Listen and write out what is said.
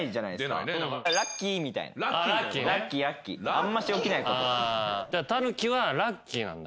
あんまし起きないこと。